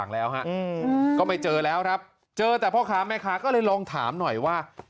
แล้วครับเจอแต่พ่อค้าแม่ค้าก็เลยลองถามหน่อยว่า